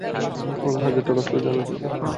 ওদের হাজারটা রাস্তা জানা আছে, স্যার।